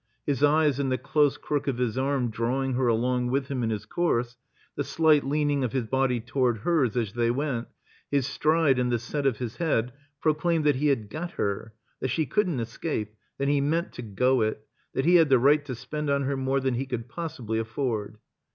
His eyes and the dose crook of his arm drawing her along with him in his course, the slight leaning of his body toward hers as they went, his stride and tiie set of his head proclaimed that he had got her, that she couldn't escape, that he meant to go it, that he had the right to spend on her more than he could possibly afford.